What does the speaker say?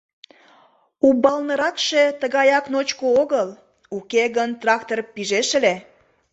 Умбалныракше тыгаяк ночко огыл, уке гын трактор пижеш ыле.